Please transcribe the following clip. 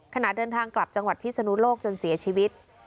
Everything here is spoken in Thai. ขณะเดินทางกลับจังหวัดพิศนุโลกจนเสียชีวิต